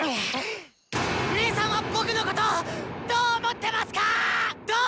姐さんは僕のことッどう思ってますかぁッ